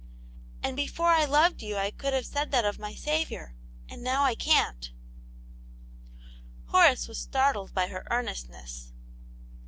" And before I loved you I could have said that of my Saviour, and now I can't." Horace was startled by her earnestness.